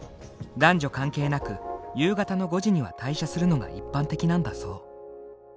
男女関係なく夕方の５時には退社するのが一般的なんだそう。